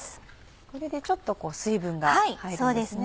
これでちょっと水分が入るんですね。